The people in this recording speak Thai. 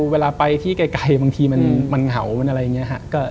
เวลาไปที่ไกลบางทีมันเหงา